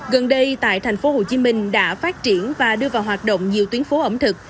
gần đây tại thành phố hồ chí minh đã phát triển và đưa vào hoạt động nhiều tuyến phố ẩm thực